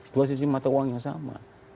dua sisi mata uang yang sama